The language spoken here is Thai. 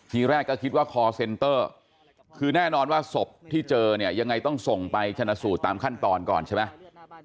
ทีแรกก็คิดว่าคอร์เซ็นเตอร์คือแน่นอนว่าศพที่เจอเนี่ยยังไงต้องส่งไปชนะสูตรตามขั้นตอนก่อนใช่ไหม